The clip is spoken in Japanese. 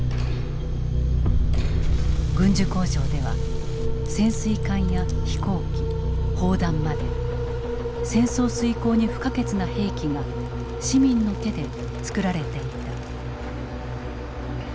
軍需工場では潜水艦や飛行機砲弾まで戦争遂行に不可欠な兵器が市民の手で作られていた。